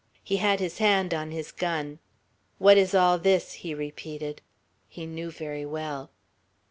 He had his hand on his gun. "What is all this?" he repeated. He knew very well.